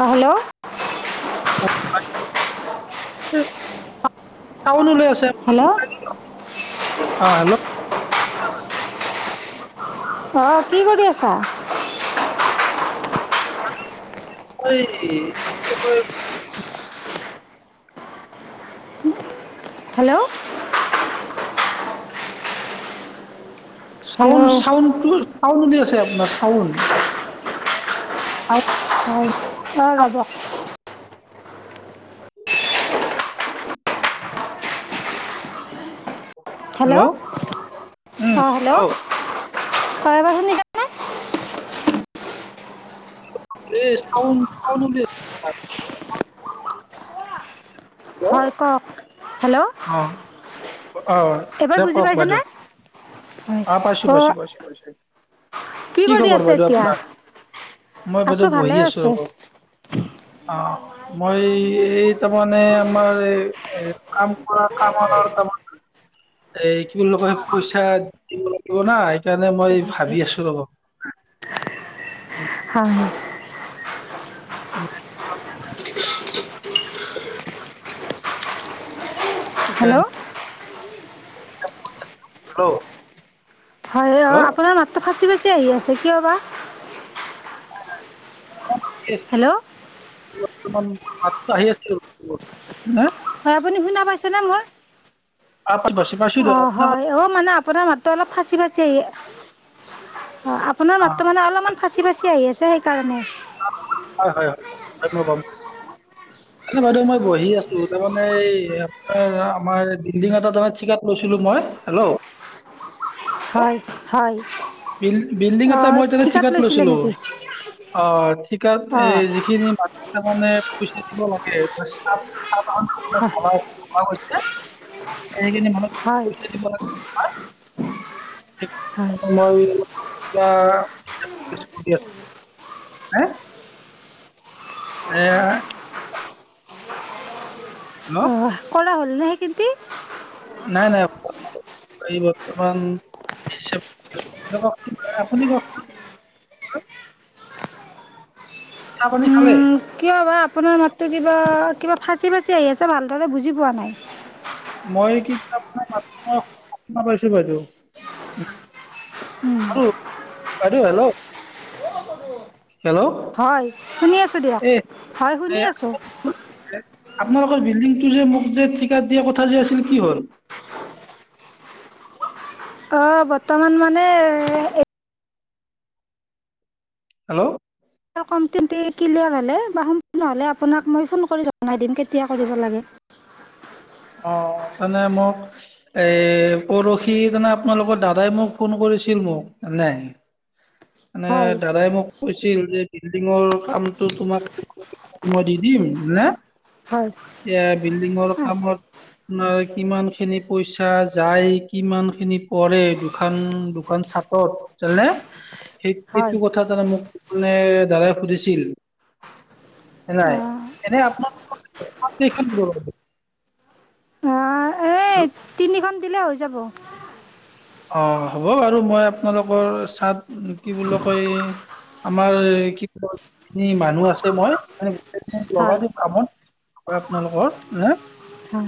অ', hello. Sound উলাই আছে। Hello. অ', হেল্ল'। অ', কি কৰি আছা? [unintelligible] হেল্ল'। হেল্ল' চাউণ্ড চাউণ্ডটো, চাউণ্ডটো দে আছে আপোনাৰ চাউণ্ড। হয় [unintelligible] অ', ৰ'ব। হেল্ল', অ', হেল্ল', হয় এইবা শুনিছে? এ চাউণ্ড চাউণ্ড উলিয়াইছে। হেল্ল' হয় ক'ক, হেল্ল'। অ', আহ। এইবাৰ দে বুজি কওক পাইছেনে? বাইদেউ, অ', পাইছোঁ পাইছোঁ পাইছোঁ পাইছোঁ। কি কৰি খবৰ আছে বাইদেউ এতিয়া? আপোনাৰ, মই আছো বাইদেউ ভালে বহি আছো ৰ'ব। অ', মই এই তাৰমানে আমাৰ এ কাম। কাম ত [unintelligible] এই কি বুলি কয় পইচা দিব লাগিব না সেইকাৰণে মই ভাবি আছো অলপ। উম। হা। [unintelligible] হেল্ল' [unintelligible] হেল্ল' হয় অ হেল্ল' আপোনাৰ মাতটো ফাঁচি ফাঁচি আহি আছে কিয় বা, হেল্ল' [inaudible] বৰ্তমান মাতটো আহি আছিল হা, হয় আপুনি শুনা পাইছেনে মোৰ? অলপমান পাইছো। পাইছো অ দিয়ক আপোনাৰ হয় ঔ মানে আপোনাৰ মাততো অলপ ফাঁচি ফাঁচি আহি অ আপ, আপোনাৰ মাতটো মানে অলপমান ফাঁচি ফাঁচি আহি আছে সেইকাৰণে। হয় হয় হয় মই গম পাইছো। মানে বাইদেউ মই বহি আছো তাৰমানে এই আপোনাৰ আমাৰ বিল্ডিং এটাত তাৰ মানে ঠিকা, ত লৈছিলো মই হেল্ল' হয় হয়। বিল বিল্ডিং এটা অঁ মই ঠিকাত লৈছিলে লৈছিলো। নেকি অ ঠিকাত অঁ এই যিখিনি মানুহ, তাৰমানে পইচা দিব লাগে সাধ সাধখন হয় [unintelligible] হৈছে এইখিনি মানুহক হয় পইচা দিব লাগে। [inaudible] হয় [unintelligible] হা এ হেল্ল'! অঁ কৰা হ'ল নে সেই খেতি নাই নাই এই বৰ্তমান ডিচে, কওঁকচোন আপুনি কওঁকচোন। চাহ পানী খালে? কিয় বা আপোনাৰ মাতটো কিবা কিবা ফাঁচি ফাঁচি আহি আছে ভালদৰে বুজি পোৱা নাই। মই কিন্তু আপোনাৰ মাতটো মই শুনা পাইছো বাইদেউ। আৰু বাইদেউ হেল্ল'! হেল্ল' হয় শুনি আছো দিয়ক এই হয় শুনি এই আছো। আপোনালোকৰ বিল্ডিংটো যে মোক যে ঠিকাত দিয়া কথা যে আছিল কি হ'ল? অ বৰ্তমান মানে এ হেল্ল'! [unintelligible] ক্লিয়াৰ হ'লে বা সম্পূৰ্ণ হ'লে আপোনাক মই ফোন কৰি জনাই দিম কেতিয়া কৰিব লাগে। অ মানে মোক এই পৰহি মানে আপোনালোকৰ দাদাই মোক ফোন কৰিছিল মোক তাৰমানে মানে হয় দাদাই মোক কৈছিল যে বিল্ডিঙৰ কামটো তোমাক মই দি দিম নে হয় এতিয়া বিল্ডিঙৰ কামত আপোনাৰ কিমান খিনি পইচা যায় কিমান খিনি পৰে দুখন দুখন চাটত জানে সেই হয় সেইটো কথা তাৰমানে মোক মানে দাদাই সুধিছিল নাই অঁ এনেই আপোনালোকৰ চাট কেইখন দিব বাৰু? এই তিনিখন দিলে হৈ যাব। অ হ'ব বাৰু মই আপোনালোকৰ চাট কি বুলি কয় আমাৰ কি কয় কিমানখিনি মানুহ আছে মই মানে হয় লগাই দিম কামত হয় আপোনালোকৰ নে অঁ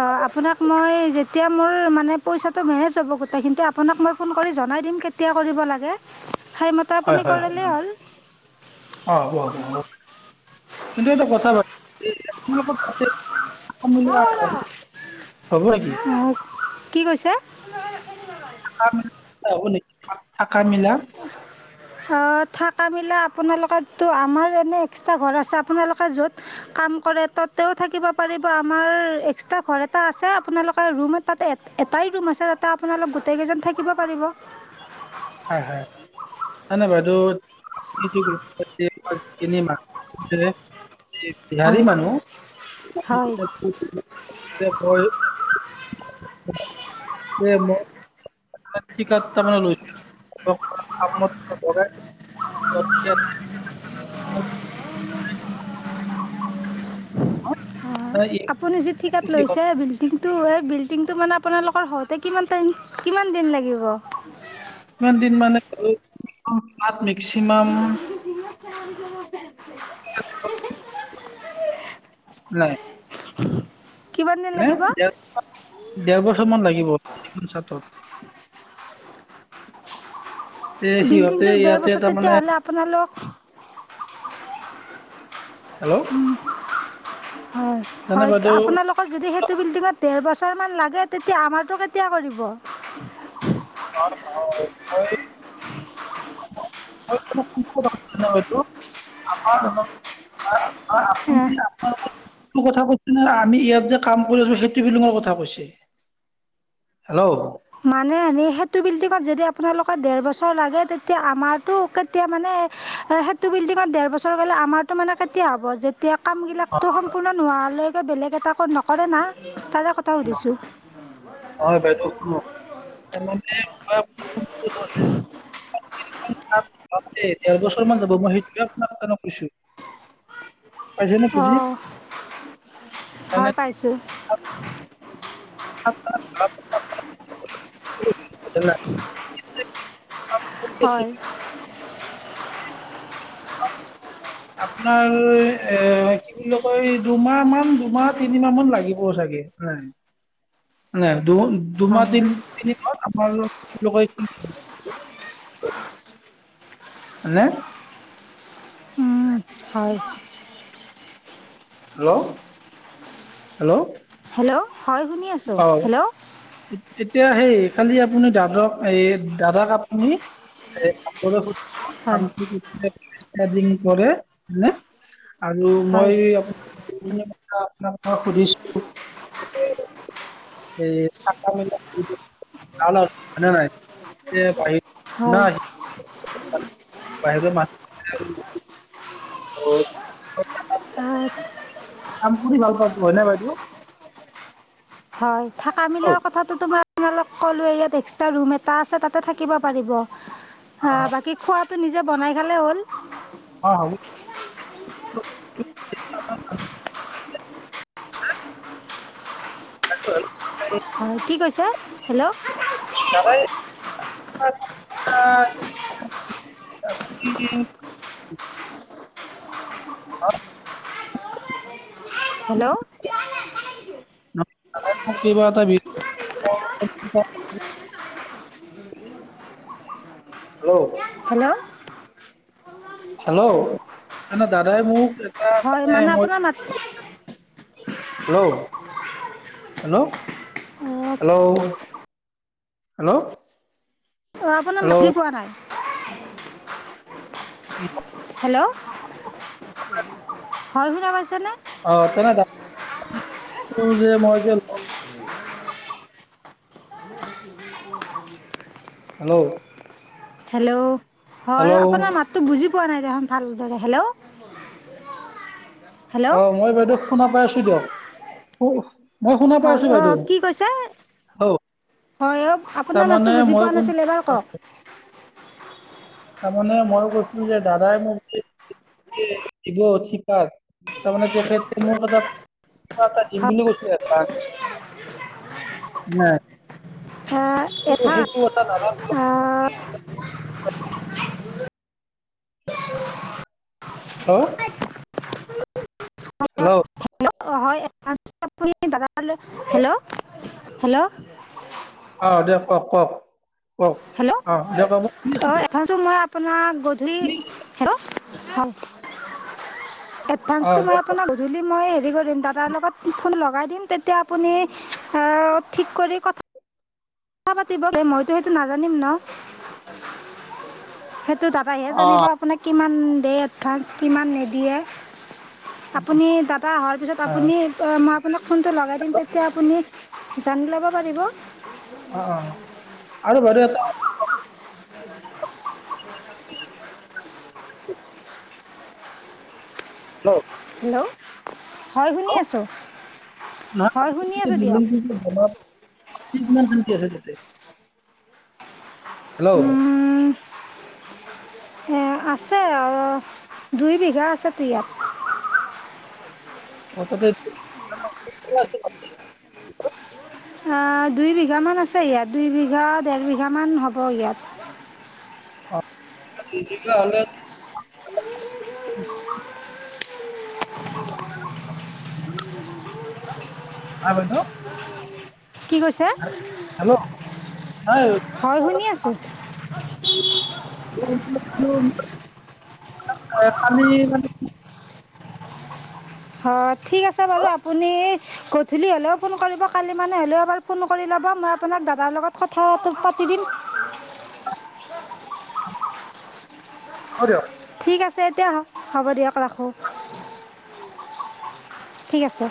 অঁ আপোনাক মই যেতিয়া মোৰ মানে পইচাটো মেনেজ হ'ব গোটেই খিনি আপোনাক মই ফোন কৰি জনাই দিম কে তিয়া কৰিব লাগে সেই হয় হয় হয় হয়, অ হ'ব হ'ব হ'ব বাইদেউ। কিন্তু এটা কথা বাইদেউ [unintelligible] হ'ব [unintelligible] আহ, কি কৈছে? [unintelligible] থাকা মেলা হ'ব নেকি থাকা মেলা? সা থাকা মেলা আপোনালোকৰ যিটো আমাৰ এনে এক্সট্ৰা ঘৰ আছে আপোনালোকে য'ত কাম কৰে ততেও থাকিব পাৰিব আমাৰ এক্সট্ৰা ঘৰ এটা আছে আপোনালোকে ৰুম তাত এ এটাই ৰুম আছে তাতে আপোনালোক গোটেইকেইজন থাকিব পাৰিব। হয় হয়। নাই নাই বাইদেউ [unintelligible] বিহাৰী হয় মানুহ হয় [unintelligible] [unintelligible] মানে ঠিকা দুটামানো লৈ থৈছো [unintelligible] কামত [unintelligible] হয় আপুনি যি ঠিকাত লৈছে কিমান [unintelligible] কিন্তু এই বিল্ডিংটো মানে আপোনালোকৰ হওঁতে কিমান টাইম, কিমান দিন লাগিব? কিমান দিন মানে [unintelligible] তাত মেক্সিমাম [unintelligible] কিমান দিন লাগিব [unintelligible] ডেৰ ডেৰ বছৰমান লাগিব। ফুল চাডত তে বিল্ডিংটো সিহঁতে ডেৰ ইয়াতে বছৰ তাৰমানে তেতিয়াহ'লে আপোনালোক হেল্ল'। হয়, জানে হয় বাইদেউ আপোনালোক [unintelligible] যদি সেইটো বিল্ডিঙত ডেৰ বছৰ মান লাগে তেতিয়া আমাৰটো কেতিয়া কৰিব? [inaudible] [inaudible] [unintelligible] কথা কৈছে নে আমি ইয়াত যে কাম কৰি আছো সেইটো বিল্ডঙৰ কথা কৈছে? হেল্ল'। মানে এ সেইটো বিল্ডিঙত যদি আপোনালোকৰ দেৰ বছৰ লাগে তেতিয়া আমাৰতো কে তেতিয়া মানে এ সেইটো বিল্ডিঙত দেৰ বছৰ গ'লে আমাৰটো মানে কেতিয়া হ'ব যে এতিয়া কামবিলাকতো সম্পূৰ্ণ নোহোৱালৈকে বেলেগ এটা নকৰে না তাৰে কথা সুধিছোঁ। হয়, বাইদেউ শুনক [unintelligible] [unintelligible] ডেৰ বছৰ মান যাব মই সেইটোকে [unintelligible] পাইছানে অ' বুজি। হয় [unintelligible] পাইছোঁ। [inaudible] কৰি আছো। হয়। আপোনাৰ এ [unintelligible] দুমাহ মান দুমাহ তিনিমাহ মান লাগিব চাগে। [unintelligible] দুমাহ হয় তিন [unintelligible] তিনি মাহ [unintelligible] [unintelligible] উম হয়। হেল্ল'। হেল্ল'। হেল্ল'। হয় শুনি আছো। অ হেল্ল'। [unintelligible] আপুনি দাদক এই দাদাক আপুনি হয় [unintelligible] কৰে। হয় নে? আৰু হয় মই আপোনাক যোনখিনি কথা আপোনাক মই সুধিছো [unintelligible] হেৰি [inaudible] [inaudible] হয় নে নাই হয় [inaudible] [inaudible] হয় [unintelligible] [unintelligible] হয়। থাকা অ মিলাৰ কথাটো তোমাৰ আপোনালোক ক'লো ইয়াত এক্সট্ৰা ৰুম এটা আছে তাতে থাকিব পাৰিব। অ' বাকী খোৱা তো নিজে বনাই খালেই হ'ল। অ' হ'ব। [unintelligible] অ' কি কৈছে? Hello. [unintelligible] [unintelligible] Hello. [unintelligible] [unintelligible] Hello. Hello. Hello, দাদাই মোক হয়, মানে আপোনাৰ মাত হেল্ল'। হেল্ল' অ' হেল্ল'। হেল্ল'। অ' আপোনাৰ হেল্ল' [unintelligible] পোৱা নাই। [unintelligible] হেল্ল', হয় শুনা পাইছা নে? অ' তেনে [inaudible] মই যে হেল্ল'। হেল্ল', হয় হেল্ল' আপোনাৰ মাততো বুজি পোৱা নাই দেখোন ভালদৰে, হেল্ল'। হেল্ল' অ' মই বাইদেউ শুনা পাই আছোঁ দিয়ক, শু মই শুনা পাই হয়, আছোঁ বাইদেউ অ' কি কৈছা‍? হেল্ল' হয়, অ' আপোনাৰ তাৰমানে মাততো বুজি মই পোৱা কোন নাছিলোঁ, এইবাৰ কওঁক। তাৰ মানে মই কৈছিলোঁ যে দাদাই মোক [inaudible] যে দিব ঠিকাত, তাৰমানে তেখেতে মোৰ কথা কিবা এটা দিম হয় বুলি কৈছে এডভাঞ্চ এডভাঞ্চ [unintelligible] হেল্ল'। হেল্ল'। [inaudible] অ' হয় [unintelligible] হেল্ল' হেল্ল'। অ' দিয়ক কওঁক কওঁক, কওঁক অ' দিয়ক মই শুনি আছোঁ দিয়ক। ত' মই আপোনাক গধূলি, হেল্ল' হয় [inaudible] অ', এডভাঞ্চটো মই দিয়ক কওক। আপোনাক গধূলি মই হেৰি কৰিম দাদাৰ লগত ফোন লগাই দিম তেতিয়া আপুনি অ' ঠিক কৰি কথা কথা পাতিব, মইতো সেইটো নাজানিম ন। সেইটো দাদাই হে জানিব অ', আপোনাক কিমান দিয়ে এডভাঞ্চ, কিমান নিদিয়ে। আপুনি দাদা অহাৰ পিছত হয়, আপুনি এ মই আপোনাক ফোনটো লগাই দিম তেতিয়া আপুনি জানি ল'ব পাৰিব। অ' অ' আৰু বাৰু এটা ল হেল্ল', হয় শুনি আছোঁ। হয় শুনি আছোঁ দিয়ক [unintelligible] হেল্ল'। অ' আছে আ, দুই বিঘা আছে টো ইয়াত। হঠাতে আ দুই বিঘামান আছে ইয়াত, দুই বিঘা ডেৰ বিঘামান হ'ব ইয়াত। অ' দুই বিঘা হ'লে [unintelligible] কি কৈছে? হেল্ল', নাই হয় শুনি আছোঁ। [unintelligible] কালি [unintelligible] হয়, ঠিক আছে বাৰু আপুনি গধূলি হ'লেও ফোন কৰিব, কালি মানে হ'লেও এবাৰ ফোন কৰি ল'ব। মই আপোনাক দাদাৰ লগত কথাটো পাতি দিম। হ'ব দিয়ক। ঠিক আছে এতিয়া। হ'ব দিয়ক ৰাখোঁ। ঠিক আছে।